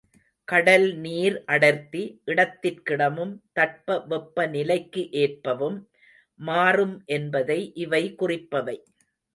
கடல்நீர் அடர்த்தி, இடத்திற்கிடமும் தட்ப வெப்ப நிலைக்கு ஏற்பவும் மாறும் என்பதை இவை குறிப்பவை.